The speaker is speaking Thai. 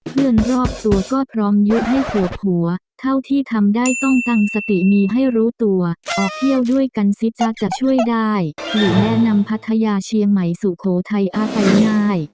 รอบตัวก็พร้อมยึดให้ปวดหัวเท่าที่ทำได้ต้องตั้งสติมีให้รู้ตัวออกเที่ยวด้วยกันสิจ๊ะจะช่วยได้หรือแนะนำพัทยาเชียงใหม่สุโขทัยอาศัยง่าย